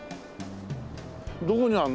どこにあんの？